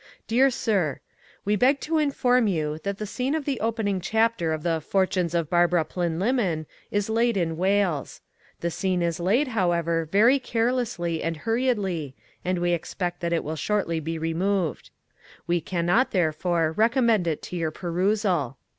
Dear Sir: We beg to inform you that the scene of the opening chapter of the Fortunes of Barbara Plynlimmon is laid in Wales. The scene is laid, however, very carelessly and hurriedly and we expect that it will shortly be removed. We cannot, therefore, recommend it to your perusal.